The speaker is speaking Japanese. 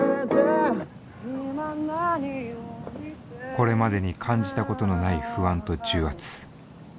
これまでに感じたことのない不安と重圧。